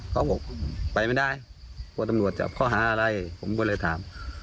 เขาบอกไปไม่ได้กลัวตำรวจจับข้อหาอะไรผมก็เลยถาม